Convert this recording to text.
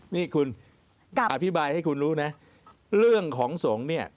นี่คุณอธิบายให้คุณรู้นะเรื่องของสงฆ์เนี่ย